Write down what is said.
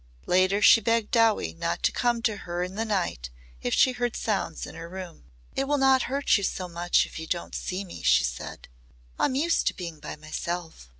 Later she begged Dowie not to come to her in the night if she heard sounds in her room. "It will not hurt you so much if you don't see me," she said. "I'm used to being by myself.